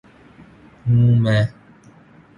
ہوں میں